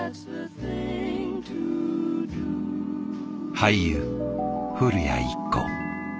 俳優古谷一行。